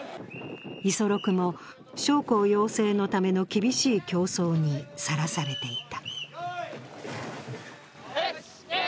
五十六も将校養成のための厳しい競争にさらされていた。